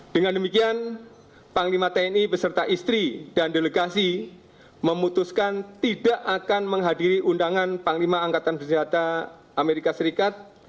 dengan demikian panglima tni beserta istri dan delegasi memutuskan tidak akan menghadiri undangan panglima angkatan bersenjata amerika serikat